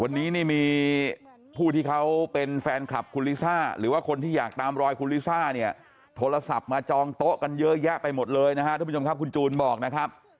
วันนี้นี่มีผู้ที่เขาเป็นแฟนคลับคุณลิซ่าหรือว่าคนที่อยากตามรอยคุณลิซ่าเนี่ยโทรศัพท์มาจองโต๊ะกันเยอะแยะไปหมดเลยนะฮะทุกผู้ชมครับคุณจูนบอกนะครับ